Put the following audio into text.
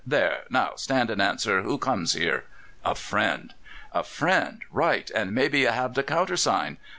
There! Now stand and answer. Who comes here?" "A friend." "A friend! Right! and maybe ye have the counthersign?"